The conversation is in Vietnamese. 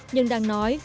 nhưng đang nói